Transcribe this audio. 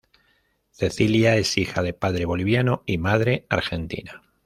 Cecilia es hija de padre boliviano y madre argentina.